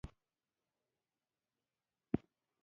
دوی د هیوادونو ترمنځ د همکارۍ کچه لوړوي